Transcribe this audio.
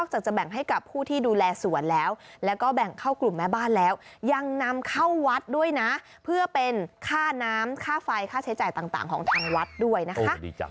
จังนำเข้าวัดด้วยนะเพื่อเป็นค่าน้ำค่าไฟค่าใช้จ่ายต่างของทางวัดด้วยนะคะ